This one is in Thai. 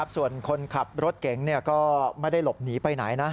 ส่วนคนขับรถเก๋งก็ไม่ได้หลบหนีไปไหนนะ